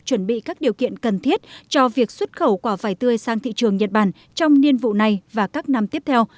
chuẩn bị các điều kiện cần thiết cho việc xuất khẩu quả vải tươi sang thị trường nhật bản trong niên vụ này và các năm tiếp theo